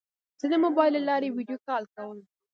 زه د موبایل له لارې ویدیو کال کوم.